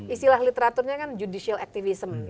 istilah literaturnya kan judicial activism